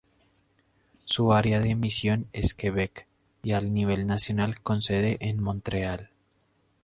Su área de emisión es Quebec y al nivel nacional, con sede en Montreal.